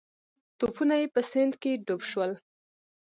توپونه یې په سیند کې ډوب شول.